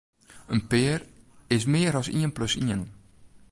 In pear is mear as ien plus ien.